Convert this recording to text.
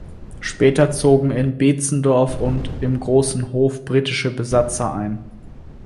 Später zogen in Beetzendorf und im Großen Hof britische Besatzer ein.